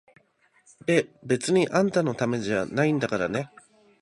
べ、別にあんたのためじゃないんだからね！